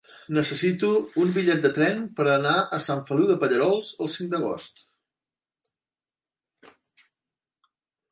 Necessito un bitllet de tren per anar a Sant Feliu de Pallerols el cinc d'agost.